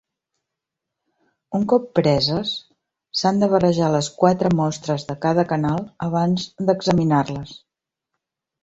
Un cop preses, s'han de barrejar les quatre mostres de cada canal abans d'examinar-les.